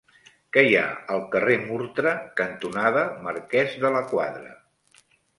Què hi ha al carrer Murtra cantonada Marquès de la Quadra?